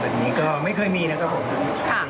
นี้ก็ไม่เคยมีนะครับผม